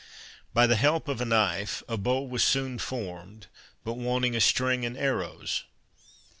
By the help of a knife, a bow was soon formed but wanting a string and arrows.